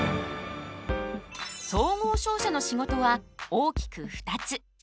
総合商社の仕事は大きく２つ。